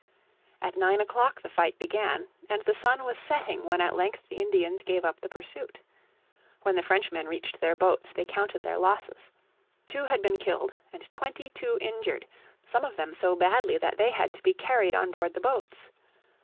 At nine o'clock the fight began, and the sun was setting when at length the Indians gave up the pursuit. When the Frenchmen reached their boats they counted their losses. Two had been killed, and twenty two injured, some of them so badly that they had to be carried on board the boats.